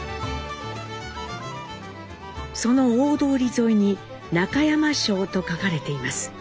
その大通り沿いに「中山商」と書かれています。